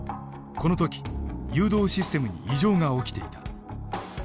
この時誘導システムに異常が起きていた。